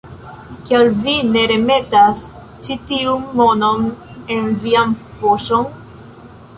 Kial vi ne remetas ĉi tiun monon en vian poŝon?